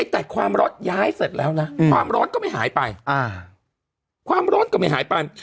แต่ความร้อนย้ายเสร็จแล้วนะความร้อนก็ไม่หายไป